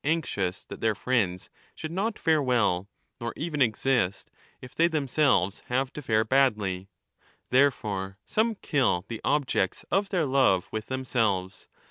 12 1246* anxious that their friends should not fare well nor even exist if they themselves have to fare badly.^ Therefore some kill the objects of their love with themselves.